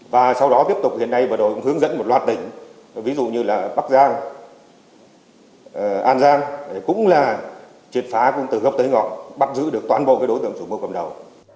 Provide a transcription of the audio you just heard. và sau đó tiếp tục hiện nay bắt đầu hướng dẫn một loạt tỉnh ví dụ như bắc giang an giang cũng là triệt phá từ gốc tới ngọn bắt giữ được toàn bộ đối tượng chủ mô cầm đầu